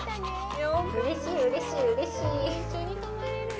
うれしい、うれしい、うれしい。